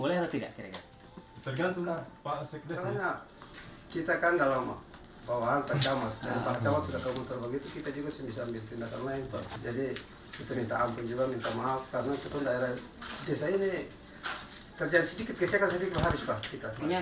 karena kita daerah desa ini kerja sedikit kerja sedikit harus pak